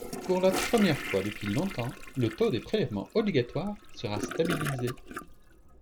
Pour la première fois depuis longtemps, le taux des prélèvements obligatoires sera stabilisé.